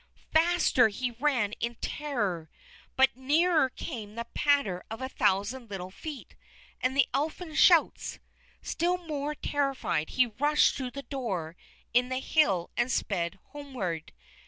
Faster he ran in terror, but nearer came the patter of a thousand little feet, and the Elfin shouts. Still more terrified, he rushed through the door in the hill and sped homeward.